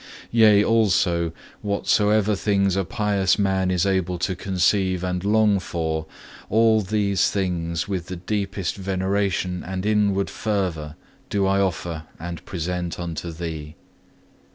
Yea, also, whatsoever things a pious mind is able to conceive and long for, all these with the deepest veneration and inward fervour do I offer and present unto Thee.